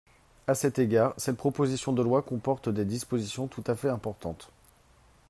À cet égard, cette proposition de loi comporte des dispositions tout à fait importantes.